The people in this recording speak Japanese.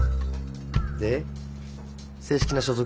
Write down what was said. で正式な所属？